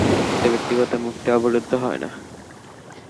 ওতে ব্যক্তিগত মুক্তি অবরুদ্ধ হয় না।